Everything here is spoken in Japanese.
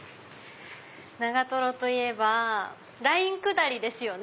長といえばライン下りですよね。